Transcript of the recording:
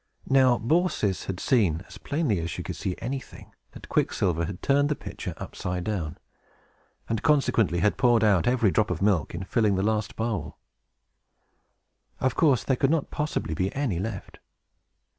Now Baucis had seen, as plainly as she could see anything, that Quicksilver had turned the pitcher upside down, and consequently had poured out every drop of milk, in filling the last bowl. Of course, there could not possibly be any left.